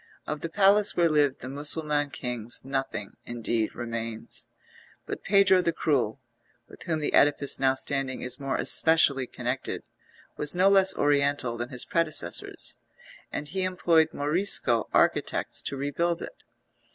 Of the palace where lived the Mussulman Kings nothing, indeed, remains; but Pedro the Cruel, with whom the edifice now standing is more especially connected, was no less oriental than his predecessors, and he employed Morisco architects to rebuild it.